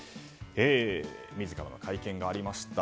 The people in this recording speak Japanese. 自らの会見がありました。